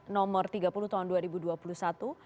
nomor tiga puluh tahun dua ribu dua puluh satu